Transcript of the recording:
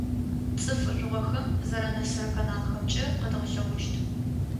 Цӏыф жъугъэхэм зэранэсырэ каналхэмкӏэ къэдгъэлъэгъощт.